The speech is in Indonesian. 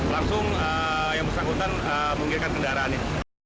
langsung yang bersangkutan menginginkan kendaraannya